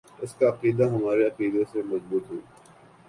اس کا عقیدہ ہمارے عقیدے سے مضبوط ہو